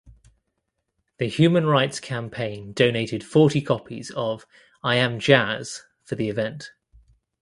The Human Rights Campaign donated forty copies of "I Am Jazz" for the event.